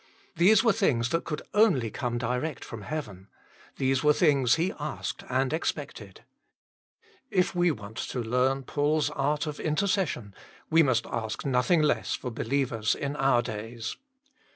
These were things that could only come direct from heaven ; these were things he asked and expected. If we want to learn Paul s art of intercession, we must ask nothing less for believers in our days.